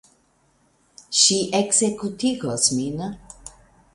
Ŝi ekzekutigos min.